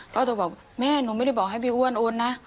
ก็จะบอกแม่หนูไม่ได้บอกให้พี่อ้วนโอนนะ